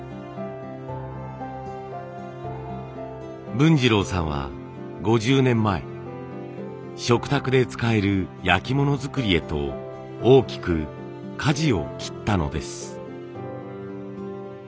文次郎さんは５０年前食卓で使える焼き物作りへと大きくかじを切ったのです。